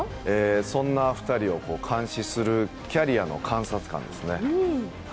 そんな２人を監視するキャリアの監察官ですね。